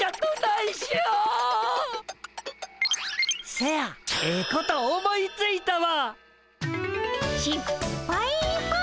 せやええこと思いついたわ！